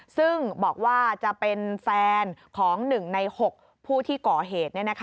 ซึ่งบอกว่าจะเป็นแฟนของ๑ใน๖ผู้ที่ก่อเหตุ